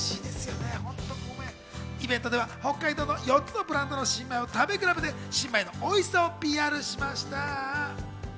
イベントでは北海道の４つのブランドの新米を食べ比べて新米のおいしさをＰＲしました。